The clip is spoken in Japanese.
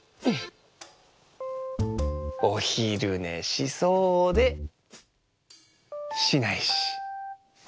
おひるねしそうでしないし。